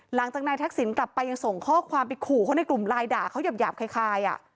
หลังจากนายทักษิณกลับไปยังส่งข้อความไปขู่เขาในกลุ่มไลน์ด่าเขาหยาบคล้าย